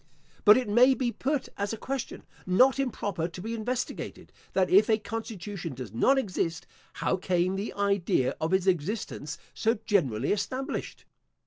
But it may be put as a question, not improper to be investigated, that if a constitution does not exist, how came the idea of its existence so generally established?